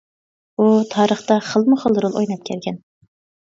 ئۇ تارىختا خىلمۇ خىل رول ئويناپ كەلگەن.